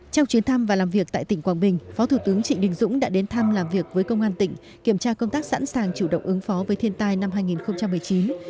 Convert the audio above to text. trong chuyến thăm và làm việc tại tỉnh quảng bình phó thủ tướng trịnh đình dũng đã đến thăm làm việc với công an tỉnh kiểm tra công tác sẵn sàng chủ động ứng phó với thiên tai năm hai nghìn một mươi chín